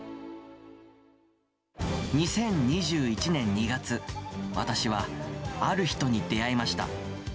２０２１年２月、私はある人に出会いました。